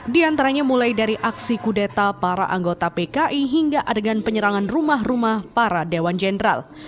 di antaranya mulai dari aksi kudeta para anggota pki hingga adegan penyerangan rumah rumah para dewan jenderal